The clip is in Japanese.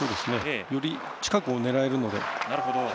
より近くを狙えるので。